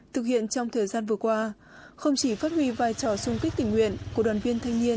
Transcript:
thực hiện trong thời gian vừa qua không chỉ phát huy vai trò sung kích tình nguyện của đoàn viên thanh niên